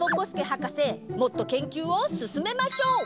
はかせもっと研究をすすめましょう！